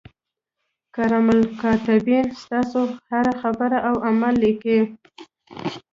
کرام الکاتبین ستاسو هره خبره او عمل لیکي.